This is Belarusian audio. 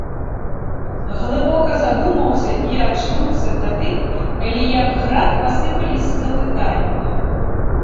Глыбока задумаўся і ачнуўся тады, калі як град пасыпаліся запытанні.